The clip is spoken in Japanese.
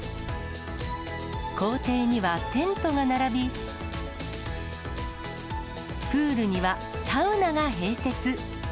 校庭にはテントが並び、プールにはサウナが併設。